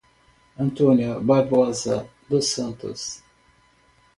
Antônia Barbosa dos Santos